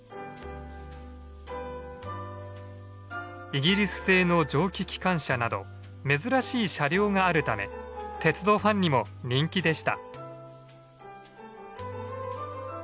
イギリス製の蒸気機関車など珍しい車両があるため鉄道ファンにも人気でした。